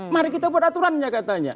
mari kita buat aturannya katanya